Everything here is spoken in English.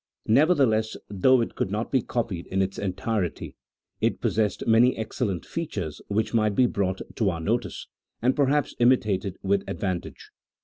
Nevertheless, though it could not be copied in its en tirety, it possessed many excellent features which might be brought to our notice, and perhaps imitated with ad vantage.